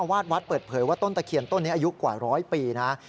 วาดวัดเปิดเผยว่าต้นตะเคียนต้นนี้อายุกว่าร้อยปีนะ